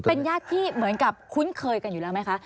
เป็นญาติที่เหมือนกับคุ้นเคยกันอยู่แล้วไหมคะ